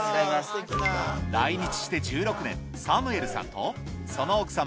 来日して１６年サムエルさんとその奥様